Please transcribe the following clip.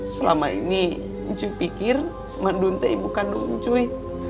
selama ini cuy pikir madun tuh ibu kandung cuy